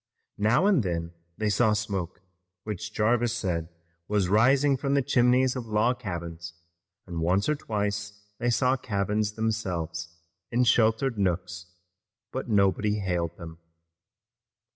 Now and then they saw smoke, which Jarvis said was rising from the chimneys of log cabins, and once or twice they saw cabins themselves in sheltered nooks, but nobody hailed them.